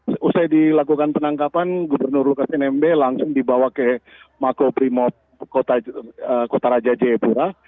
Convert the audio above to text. setelah dilakukan penangkapan gubernur lukas nmb langsung dibawa ke mako primo kota raja jayapura